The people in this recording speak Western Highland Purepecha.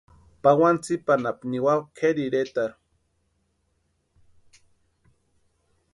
Pawani tsipa anapu niwaka Kʼeri iretarhu.